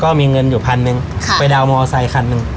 ก็มีเงินอยู่พันหนึ่งไปดาวนมอเซคันหนึ่ง